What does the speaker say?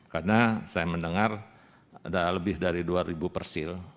karena saya mendengar ada lebih dari dua persil